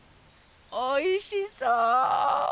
おいしそう。